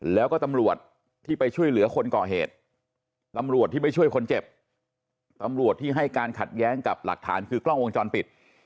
แล้วก็ตำรวจที่ไปช่วยเหลือคนก่อเหตุตำรวจที่ไปช่วยคนเจ็บตำรวจที่ให้การขัดแย้งกับหลักฐานคือกล้องวงจรปิด